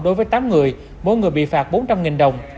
đối với tám người mỗi người bị phạt bốn trăm linh đồng